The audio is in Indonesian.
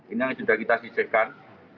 ini yang sudah kita sisihkan